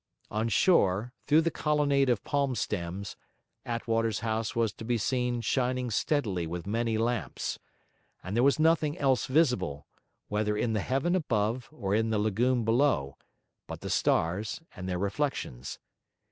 On shore, through the colonnade of palm stems, Attwater's house was to be seen shining steadily with many lamps. And there was nothing else visible, whether in the heaven above or in the lagoon below, but the stars and their reflections.